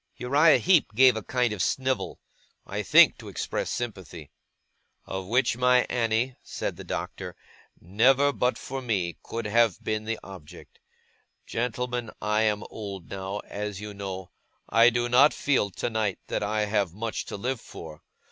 Uriah Heep gave a kind of snivel. I think to express sympathy. 'Of which my Annie,' said the Doctor, 'never, but for me, could have been the object. Gentlemen, I am old now, as you know; I do not feel, tonight, that I have much to live for.